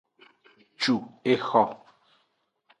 Cu exo.